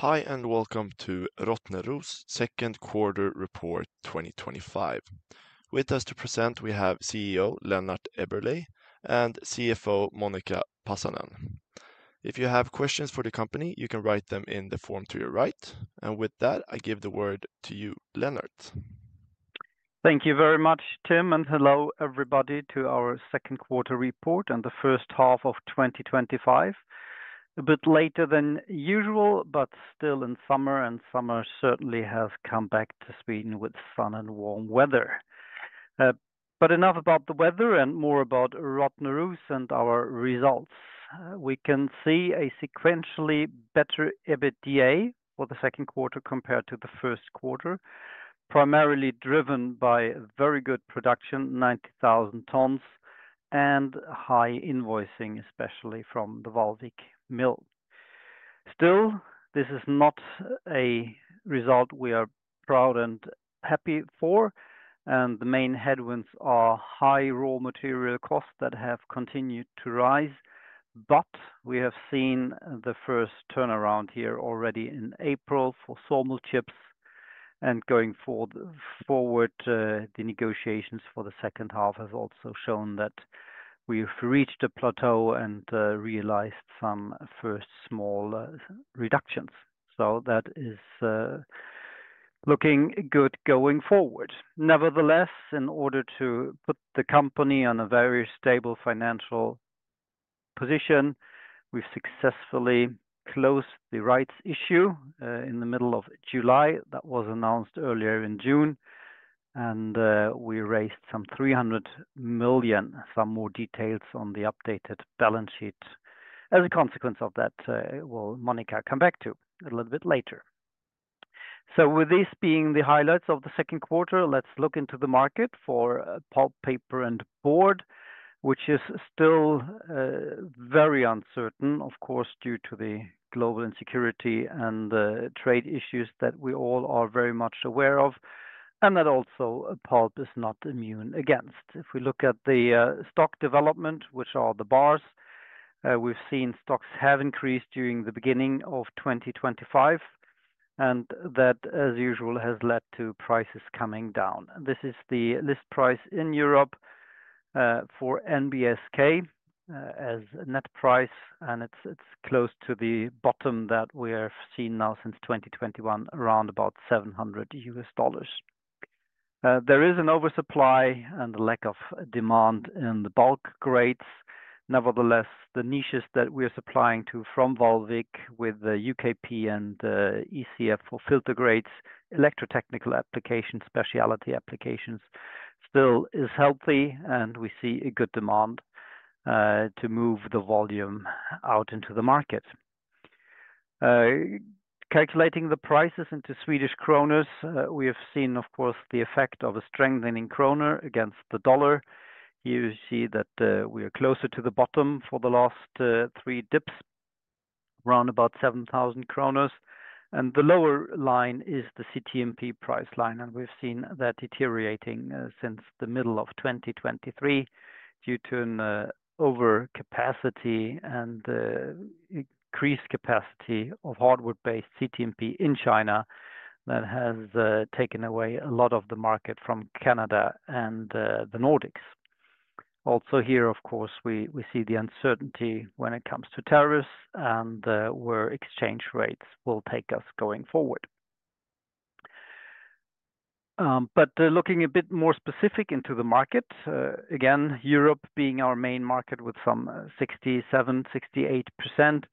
Hi, and welcome to Rottneros' Second Quarter Report 2025. With us to present, we have CEO Lennart Eberleh and CFO Monica Pasanen. If you have questions for the company, you can write them in the form to your right. With that, I give the word to you, Lennart. Thank you very much, Tim, and hello everybody to our second quarter report and the first half of 2025. A bit later than usual, but still in summer, and summer certainly has come back to Sweden with sun and warm weather. Enough about the weather and more about Rottneros and our results. We can see a sequentially better EBITDA for the second quarter compared to the first quarter, primarily driven by very good production, 90,000 tons, and high invoicing, especially from the Vallvik Mill. Still, this is not a result we are proud and happy for, and the main headwinds are high raw material costs that have continued to rise. We have seen the first turnaround here already in April for sawmill chips, and going forward, the negotiations for the second half have also shown that we've reached a plateau and realized some first small reductions. That is looking good going forward. Nevertheless, in order to put the company on a very stable financial position, we've successfully closed the rights issue in the middle of July. That was announced earlier in June, and we raised 300 million. Some more details on the updated balance sheet as a consequence of that will Monica come back to a little bit later. With this being the highlights of the second quarter, let's look into the market for pulp, paper, and board, which is still very uncertain, of course, due to the global insecurity and the trade issues that we all are very much aware of, and that also pulp is not immune against. If we look at the stock development, which are the bars, we've seen stocks have increased during the beginning of 2025, and that, as usual, has led to prices coming down. This is the list price in Europe for NBSK as a net price, and it's close to the bottom that we have seen now since 2021, around $700. There is an oversupply and a lack of demand in the bulk grades. Nevertheless, the niches that we are supplying to from Vallvik with the UKP and ECF for filter grades, electrotechnical applications, specialty applications, still are healthy, and we see a good demand to move the volume out into the market. Calculating the prices into Swedish kronors, we have seen, of course, the effect of a strengthening kronor against the dollar, you see that we are closer to the bottom for the last three dips, around 7,000 kronor. The lower line is the CTMP price line, and we've seen that deteriorating since the middle of 2023 due to an overcapacity and increased capacity of hardwood-based CTMP in China that has taken away a lot of the market from Canada and the Nordics. Of course, we see the uncertainty when it comes to tariffs and where exchange rates will take us going forward. Looking a bit more specific into the market, again, Europe being our main market with some 67%, 68%,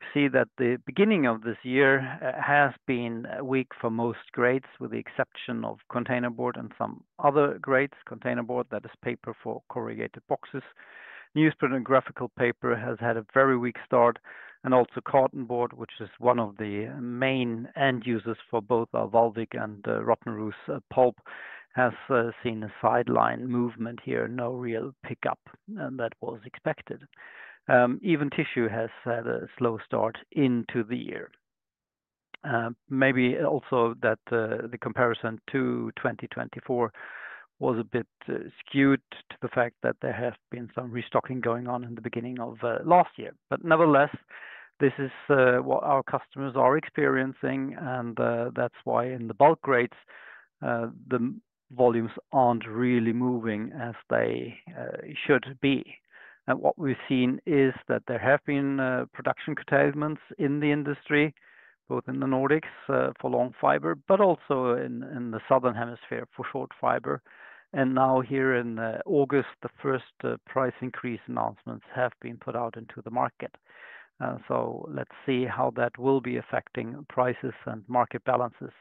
we see that the beginning of this year has been weak for most grades, with the exception of container board and some other grades. Container board is paper for corrugated boxes. Newsprint and graphical paper has had a very weak start, and also cotton board, which is one of the main end users for both Vallvik and Rottneros pulp, has seen a sideline movement here, no real pickup that was expected. Even tissue has had a slow start into the year. Maybe also the comparison to 2024 was a bit skewed due to the fact that there has been some restocking going on in the beginning of last year. Nevertheless, this is what our customers are experiencing, and that's why in the bulk grades, the volumes aren't really moving as they should be. What we've seen is that there have been production curtailments in the industry, both in the Nordics for long fiber, but also in the southern hemisphere for short fiber. Now here in August, the first price increase announcements have been put out into the market. Let's see how that will be affecting prices and market balances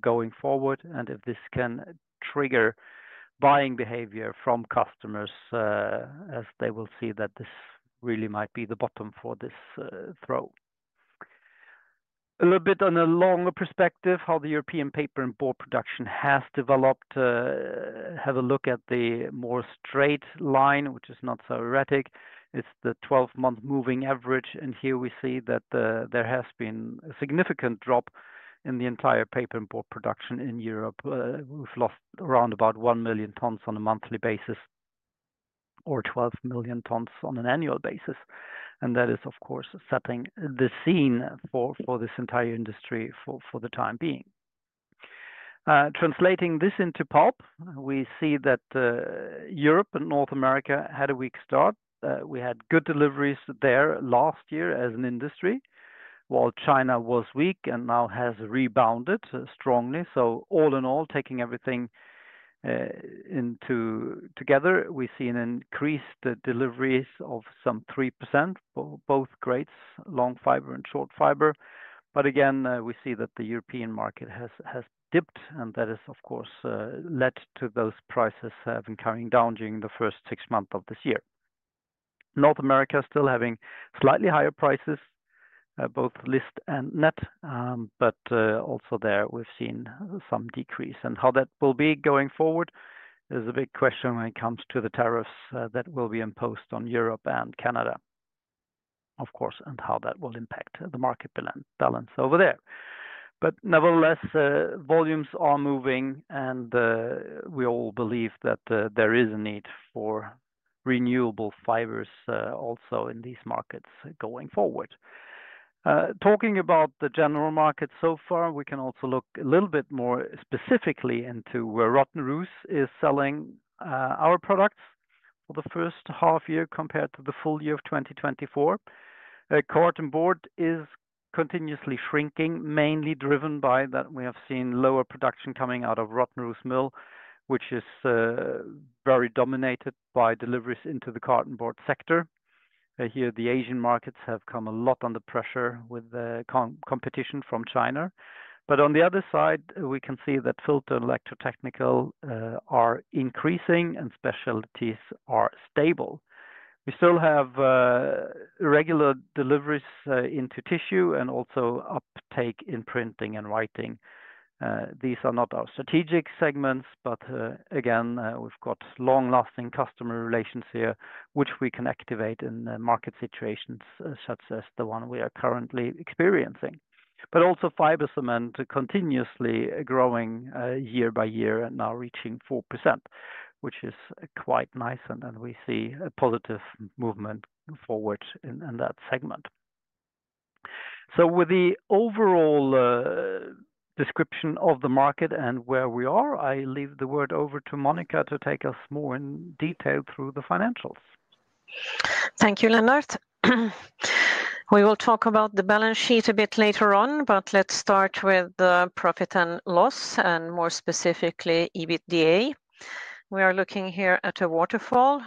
going forward, and if this can trigger buying behavior from customers, as they will see that this really might be the bottom for this trough. A little bit on a longer perspective, how the European paper and board production has developed. Have a look at the more straight line, which is not so erratic. It's the 12-month moving average, and here we see that there has been a significant drop in the entire paper and board production in Europe. We've lost around about 1 million tons on a monthly basis, or 12 million tons on an annual basis. That is, of course, setting the scene for this entire industry for the time being. Translating this into pulp, we see that Europe and North America had a weak start. We had good deliveries there last year as an industry, while China was weak and now has rebounded strongly. All in all, taking everything together, we've seen increased deliveries of some 3% for both grades, long fiber and short fiber. Again, we see that the European market has dipped, and that has, of course, led to those prices having come down during the first six months of this year. North America is still having slightly higher prices, both list and net, but also there we've seen some decrease. How that will be going forward is a big question when it comes to the tariffs that will be imposed on Europe and Canada, of course, and how that will impact the market balance over there. Nevertheless, volumes are moving, and we all believe that there is a need for renewable fibers also in these markets going forward. Talking about the general market so far, we can also look a little bit more specifically into where Rottneros is selling our products for the first half year compared to the full year of 2024. Cotton board is continuously shrinking, mainly driven by that we have seen lower production coming out of Rottneros Mill, which is very dominated by deliveries into the cotton board sector. Here, the Asian markets have come a lot under pressure with the competition from China. On the other side, we can see that filter and electrotechnical are increasing, and specialties are stable. We still have regular deliveries into tissue and also uptake in printing and writing. These are not our strategic segments, but again, we've got long-lasting customer relations here, which we can activate in market situations such as the one we are currently experiencing. Also, fiber cement is continuously growing year by year and now reaching 4%, which is quite nice, and we see a positive movement forward in that segment. With the overall description of the market and where we are, I leave the word over to Monica to take us more in detail through the financials. Thank you, Lennart. We will talk about the balance sheet a bit later on, but let's start with the profit and loss, and more specifically, EBITDA. We are looking here at a waterfall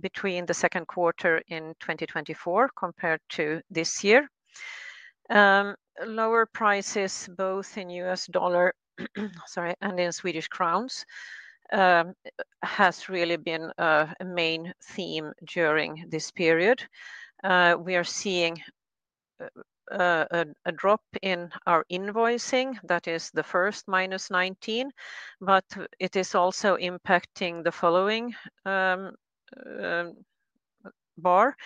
between the second quarter in 2024 compared to this year. Lower prices both in U.S. dollar, sorry, and in Swedish kronor has really been a main theme during this period. We are seeing a drop in our invoicing. That is the first -19, but it is also impacting the following bar.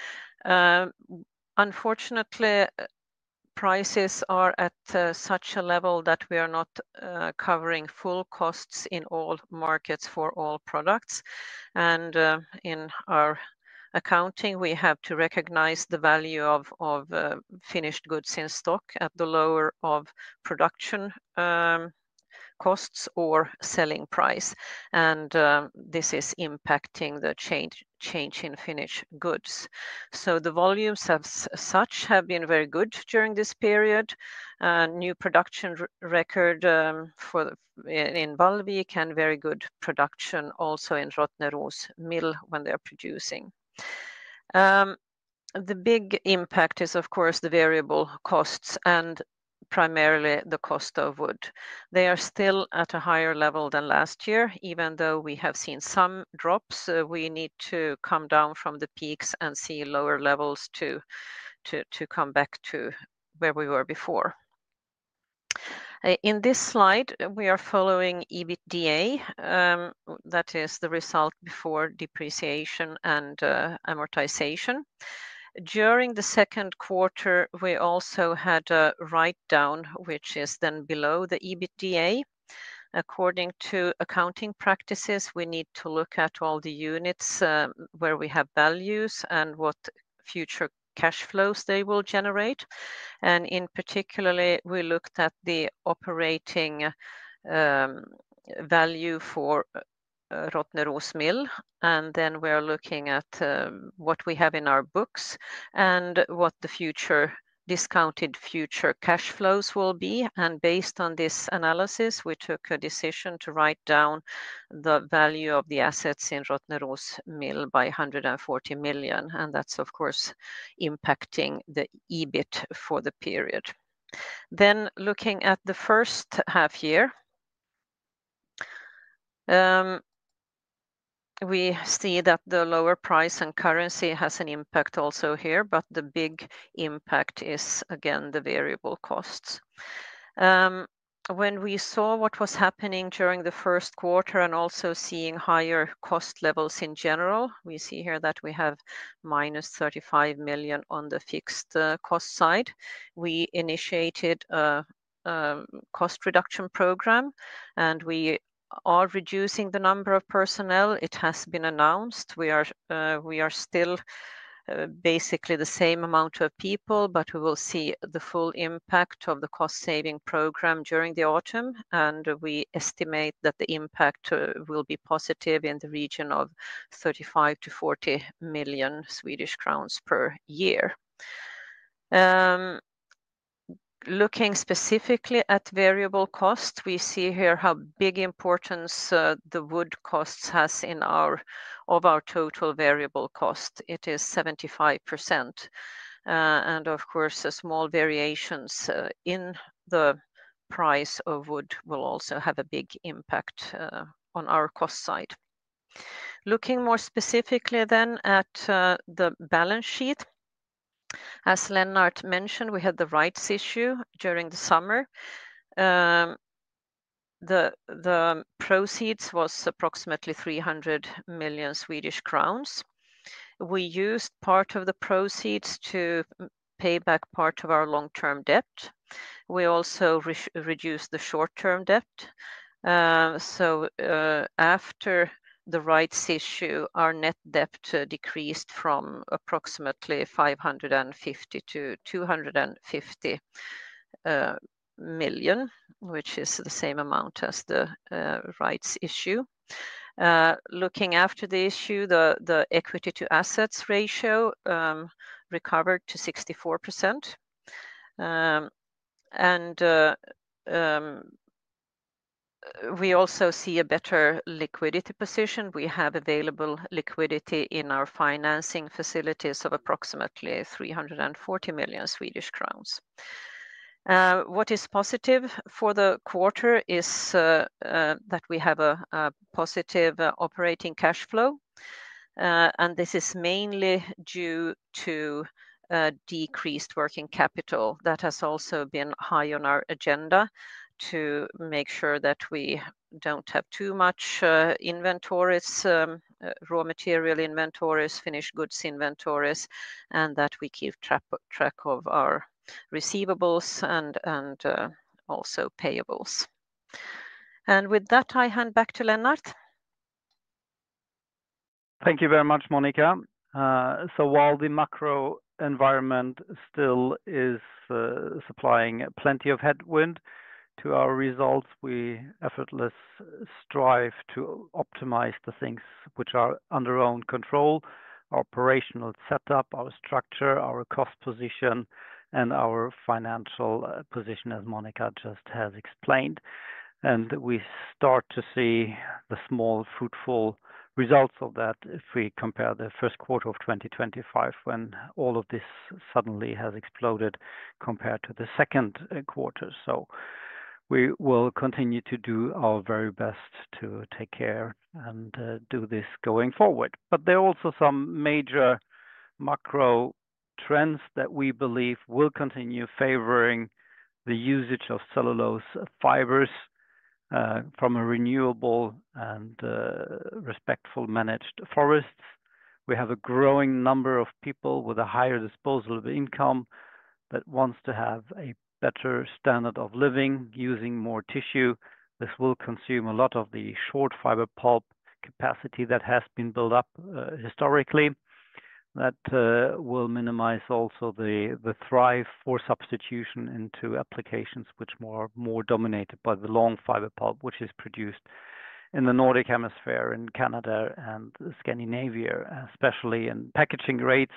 Unfortunately, prices are at such a level that we are not covering full costs in all markets for all products. In our accounting, we have to recognize the value of finished goods in stock at the lower of production costs or selling price. This is impacting the change in finished goods. So, the volumes as such have been very good during this period. New production record in Vallvik and very good production also in Rottneros Mill when they are producing. The big impact is, of course, the variable costs and primarily the cost of wood. They are still at a higher level than last year, even though we have seen some drops. We need to come down from the peaks and see lower levels to come back to where we were before. In this slide, we are following EBITDA. That is the result before depreciation and amortization. During the second quarter, we also had a write-down, which is then below the EBITDA. According to accounting practices, we need to look at all the units where we have values and what future cash flows they will generate. In particular, we looked at the operating value for Rottneros Mill. We are looking at what we have in our books and what the discounted future cash flows will be. Based on this analysis, we took a decision to write down the value of the assets in Rottneros Mill by 140 million. That is, of course, impacting the EBIT for the period. Looking at the first half year, we see that the lower price and currency has an impact also here, but the big impact is, again, the variable costs. When we saw what was happening during the first quarter and also seeing higher cost levels in general, we see here that we have -35 million on the fixed cost side. We initiated a cost reduction program, and we are reducing the number of personnel. It has been announced. We are still basically the same amount of people, but we will see the full impact of the cost-saving program during the autumn. We estimate that the impact will be positive in the region of 35 million-40 million Swedish crowns per year. Looking specifically at variable costs, we see here how big importance the wood costs have in our total variable cost. It is 75%. Of course, small variations in the price of wood will also have a big impact on our cost side. Looking more specifically at the balance sheet, as Lennart mentioned, we had the rights issue during the summer. The proceeds were approximately 300 million Swedish crowns. We used part of the proceeds to pay back part of our long-term debt. We also reduced the short-term debt. After the rights issue, our net debt decreased from approximately 550 million-250 million, which is the same amount as the rights issue. After the issue, the equity-to-assets ratio recovered to 64%. We also see a better liquidity position. We have available liquidity in our financing facilities of approximately 340 million Swedish crowns. What is positive for the quarter is that we have a positive operating cash flow. This is mainly due to decreased working capital. That has also been high on our agenda to make sure that we don't have too much inventories, raw material inventories, finished goods inventories, and that we keep track of our receivables and also payables. With that, I hand back to Lennart. Thank you very much, Monica. While the macro environment still is supplying plenty of headwind to our results, we effortlessly strive to optimize the things which are under our own control: our operational setup, our structure, our cost position, and our financial position, as Monica just has explained. We start to see the small fruitful results of that if we compare the first quarter of 2025, when all of this suddenly has exploded, compared to the second quarter. We will continue to do our very best to take care and do this going forward. There are also some major macro trends that we believe will continue favoring the usage of cellulose fibers from a renewable and respectfully managed forest. We have a growing number of people with a higher disposal of income that wants to have a better standard of living using more tissue. This will consume a lot of the short fiber pulp capacity that has been built up historically. That will minimize also the thrive for substitution into applications which are more dominated by the long fiber pulp, which is produced in the Nordic Hemisphere, in Canada, and Scandinavia, especially in packaging rates,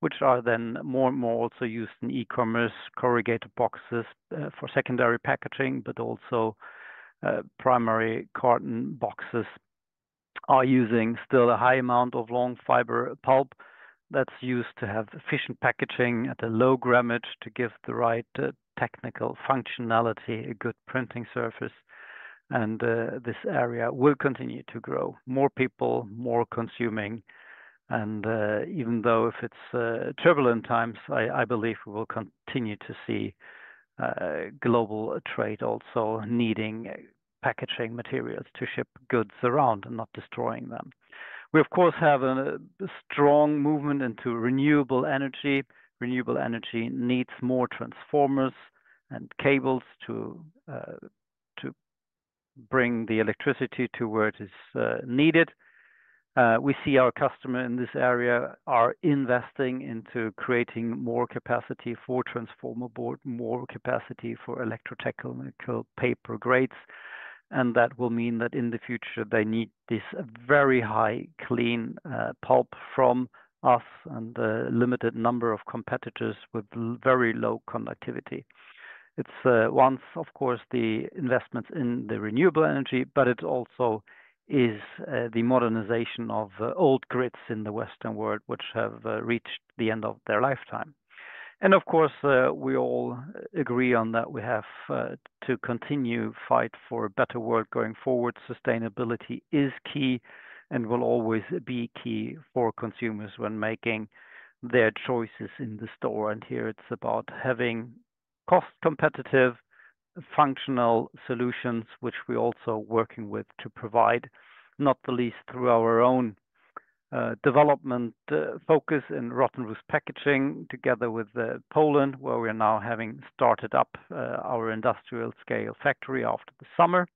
which are then more and more also used in e-commerce corrugated boxes for secondary packaging. Primary carton boxes are using still a high amount of long fiber pulp that's used to have efficient packaging at a low gramage to give the right technical functionality, a good printing surface. This area will continue to grow. More people, more consuming. Even though if it's turbulent times, I believe we will continue to see global trade also needing packaging materials to ship goods around and not destroying them. We, of course, have a strong movement into renewable energy. Renewable energy needs more transformers and cables to bring the electricity to where it is needed. We see our customers in this area are investing into creating more capacity for transformer board, more capacity for electrotechnical paper grades. That will mean that in the future, they need this very high clean pulp from us and a limited number of competitors with very low conductivity. It's once, of course, the investments in the renewable energy, but it also is the modernization of old grids in the Western world, which have reached the end of their lifetime. We all agree on that we have to continue to fight for a better world going forward. Sustainability is key and will always be key for consumers when making their choices in the store. Here it's about having cost-competitive, functional solutions, which we're also working with to provide, not the least through our own development focus in Rottneros Packaging, together with Poland, where we are now having started up our industrial-scale factory after the summer.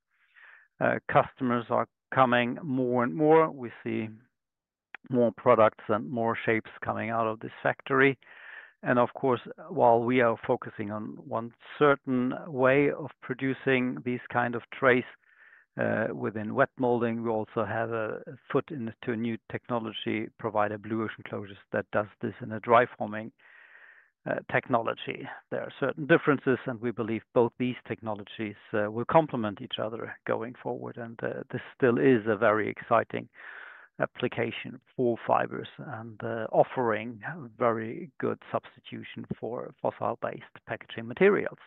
Customers are coming more and more. We see more products and more shapes coming out of this factory. Of course, while we are focusing on one certain way of producing these kinds of trays within wet molding, we also have a foot into a new technology provider, Blue Ocean Closures, that does this in a dry forming technology. There are certain differences, and we believe both these technologies will complement each other going forward. This still is a very exciting application for fibers and offering a very good substitution for fossil-based packaging materials.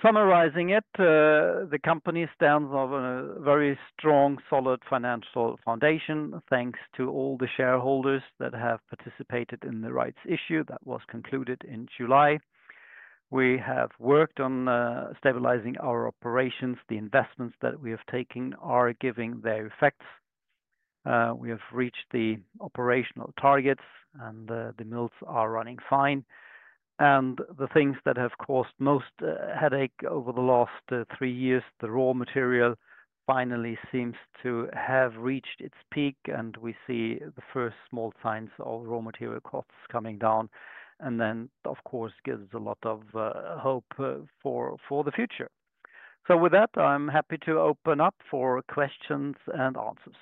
Summarizing it, the company stands on a very strong, solid financial foundation, thanks to all the shareholders that have participated in the rights issue that was concluded in July. We have worked on stabilizing our operations. The investments that we have taken are giving their effects. We have reached the operational targets, and the mills are running fine. The things that have caused most headache over the last three years, the raw material finally seems to have reached its peak, and we see the first small signs of raw material costs coming down. That, of course, gives a lot of hope for the future. With that, I'm happy to open up for questions and answers.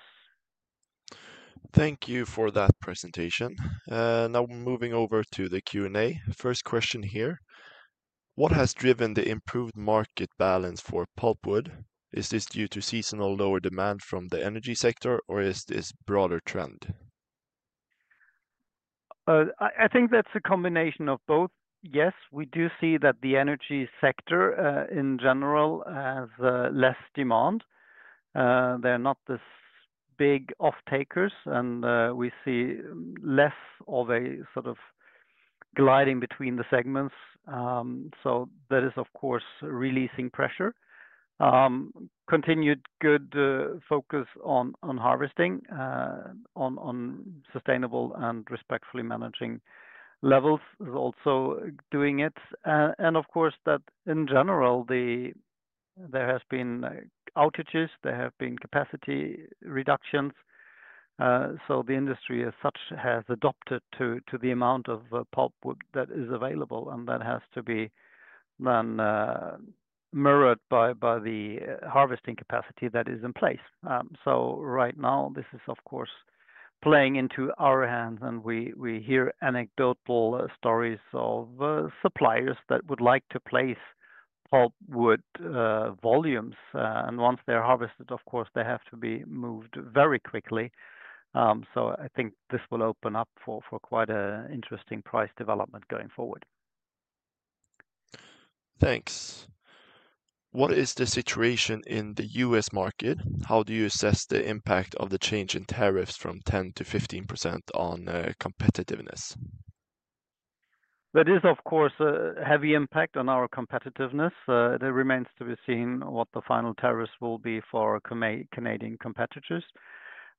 Thank you for that presentation. Now moving over to the Q&A. First question here: What has driven the improved market balance for pulp wood? Is this due to seasonal lower demand from the energy sector, or is this a broader trend? I think that's a combination of both. Yes, we do see that the energy sector in general has less demand. They're not the big off-takers, and we see less of a sort of gliding between the segments. That is, of course, releasing pressure. Continued good focus on harvesting, on sustainable and respectfully managing levels is also doing it. Of course, in general, there have been outages, there have been capacity reductions. The industry as such has adopted to the amount of pulp wood that is available, and that has to be then mirrored by the harvesting capacity that is in place. Right now, this is, of course, playing into our hands, and we hear anecdotal stories of suppliers that would like to place pulp wood volumes. Once they're harvested, of course, they have to be moved very quickly. So, I think this will open up for quite an interesting price development going forward. Thanks. What is the situation in the U.S. market? How do you assess the impact of the change in tariffs from 10%-15% on competitiveness? That is, of course, a heavy impact on our competitiveness. It remains to be seen what the final tariffs will be for Canadian competitors.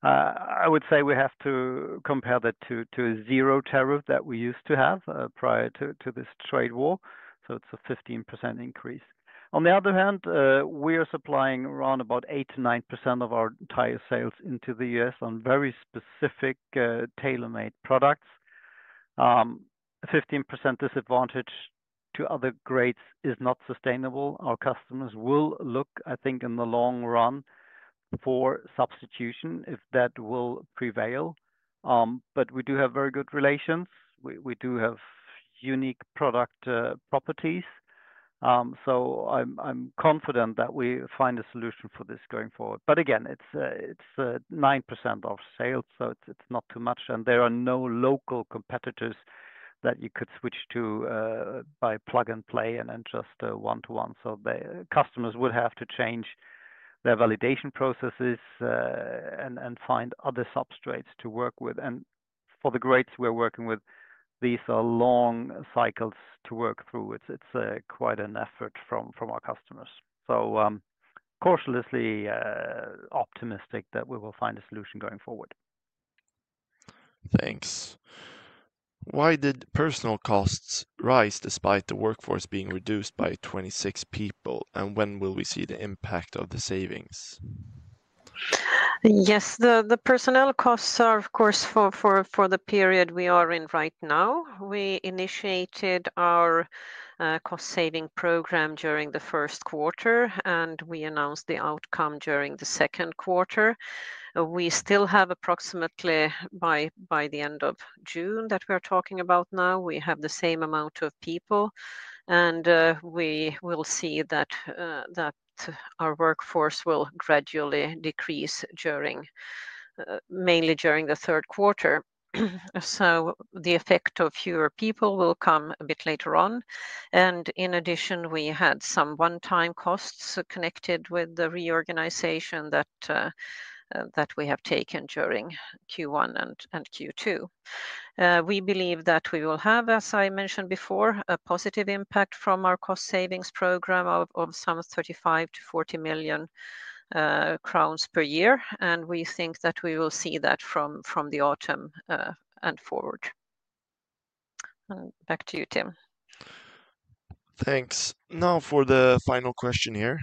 I would say we have to compare that to a zero tariff that we used to have prior to this trade war. It's a 15% increase. On the other hand, we are supplying around about 8-9% of our entire sales into the U.S. on very specific tailor-made products. A 15% disadvantage to other grades is not sustainable. Our customers will look, I think, in the long run for substitution if that will prevail. We do have very good relations. We do have unique product properties. I'm confident that we find a solution for this going forward. But again, it's 9% of sales, so it's not too much. There are no local competitors that you could switch to by plug and play and then just one-to-one. Customers would have to change their validation processes and find other substrates to work with. For the grades we're working with, these are long cycles to work through. It's quite an effort from our customers. I'm cautiously optimistic that we will find a solution going forward. Thanks. Why did personnel costs rise despite the workforce being reduced by 26 people? When will we see the impact of the savings? Yes, the personnel costs are, of course, for the period we are in right now. We initiated our cost-saving program during the first quarter, and we announced the outcome during the second quarter. We still have approximately by the end of June that we are talking about now. We have the same amount of people. We will see that our workforce will gradually decrease mainly during the third quarter. The effect of fewer people will come a bit later on. In addition, we had some one-time costs connected with the reorganization that we have taken during Q1 and Q2. We believe that we will have, as I mentioned before, a positive impact from our cost-savings program of some 35-40 million crowns per year. We think that we will see that from the autumn and forward. Back to you, Tim. Thanks. Now for the final question here.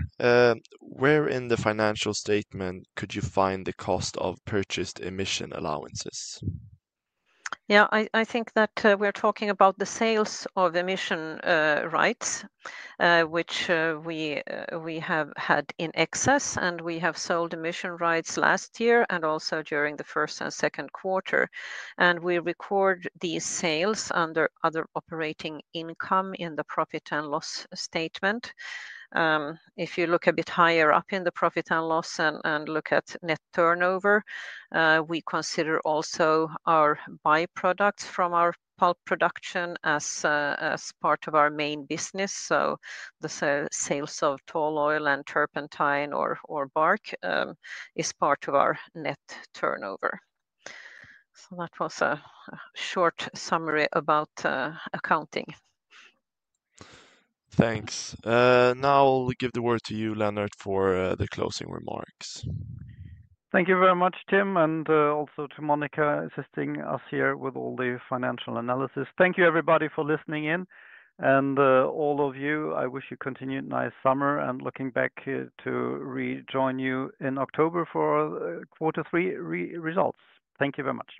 Where in the financial statement could you find the cost of purchased emission allowances? Yeah, I think that we're talking about the sales of emission allowances, which we have had in excess. We have sold emission allowances last year and also during the first and second quarter. We record these sales under other operating income in the profit and loss statement. If you look a bit higher up in the profit and loss and look at net turnover, we consider also our byproducts from our pulp production as part of our main business. The sales of tall oil and turpentine or bark is part of our net turnover. That was a short summary about accounting. Thanks. Now I'll give the word to you, Lennart, for the closing remarks. Thank you very much, Tim, and also to Monica assisting us here with all the financial analysis. Thank you, everybody, for listening in. I wish you a continued nice summer. Looking back to rejoin you in October for our quarter three results. Thank you very much.